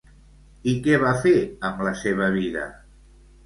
I què va fer amb la seva vida?